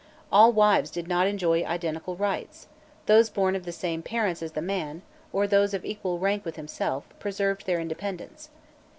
All wives did not enjoy identical rights: those born of the same parents as the man, or those of equal rank with himself, preserved their independence.